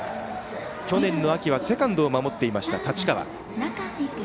去年の秋はセカンドを守っていました立川。